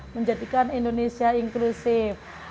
menjadikan indonesia inklusif